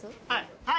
はい？